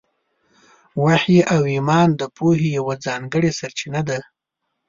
وحي او ایمان د پوهې یوه ځانګړې سرچینه ده.